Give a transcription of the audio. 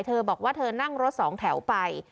เธอบอกว่าเธอนั่งรถสองแถวไป